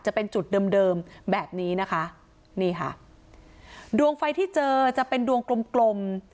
จะเป็นจุดเดิมเดิมแบบนี้นะคะนี่ค่ะดวงไฟที่เจอจะเป็นดวงกลมกลม